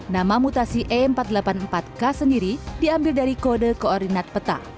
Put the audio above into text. nama mutasi e empat ratus delapan puluh empat k sendiri diambil dari kode koordinat peta